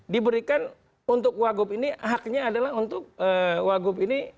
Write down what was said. diberikan untuk wagup ini haknya adalah untuk wagub ini